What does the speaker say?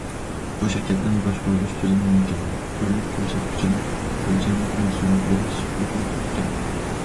بۇ شىركەتنىڭ باشقۇرۇلۇش تۈزۈمى مۇكەممەل، تۈرلۈك كۆرسەتكۈچلىرى ئۆلچەملىك، مەھسۇلاتلىرى سۈپەتلىك ئىكەن.